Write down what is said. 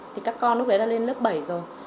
thì các con lúc đấy đã lên lớp bảy rồi